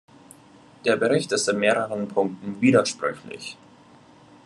Der Bericht ist in mehreren Punkten widersprüchlich.